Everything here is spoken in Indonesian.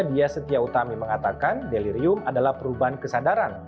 dia setia utami mengatakan delirium adalah perubahan kesadaran